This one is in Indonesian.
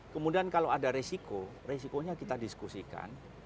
kemudian kalau ada resiko resikonya kita diskusikan